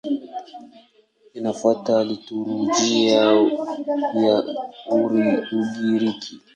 Linafuata liturujia ya Ugiriki.